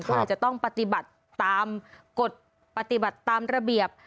ก็เลยจะต้องปฏิบัติตามกฎปฏิบัติตามระเบียบ